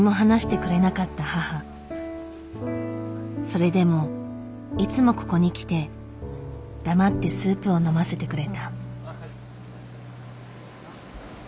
それでもいつもここに来て黙ってスープを飲ませてくれた。